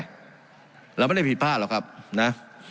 เราไม่ได้ผิดพลาดหรอกครับนะ